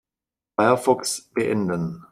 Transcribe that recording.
Firefox beenden.